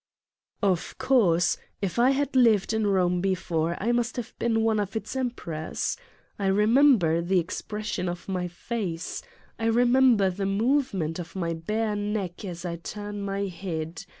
Of course, if I had lived in Eome before, I must fiave been one of its emperors : I remember the expression of my face. I remember the movement of my bare neck as I turn my head.